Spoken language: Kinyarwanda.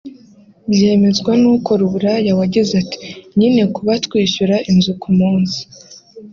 Byemezwa n’ukora uburaya wagize ati “Nyine kuba twishyura inzu ku munsi